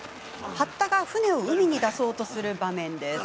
八田が船を海に出そうとする場面です。